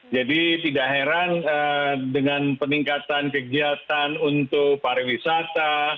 jadi tidak heran dengan peningkatan kegiatan untuk para wisata